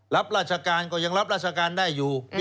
รับราชการก็ยังรับราชการได้อยู่